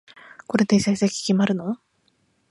これで成績決まるの？